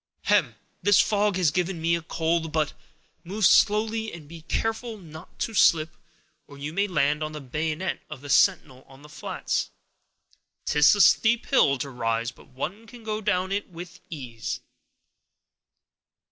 "Hem—this fog has given me a cold; but move slow—and be careful not to slip, or you may land on the bayonet of the sentinel on the flats; 'tis a steep hill to rise, but one can go down it with ease."